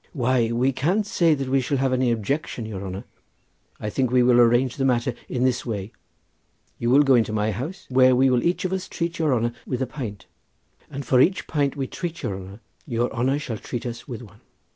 "Why, we can't say that we shall have any objection, your honour; I think we will arrange the matter in this way: we will go into my house, where we will each of us treat your honour with a pint, and for each pint we treat your honour with your honour shall treat us with one."